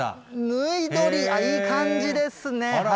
ぬい撮り、いい感じですね。